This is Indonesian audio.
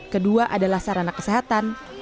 kedua adalah sarana kesehatan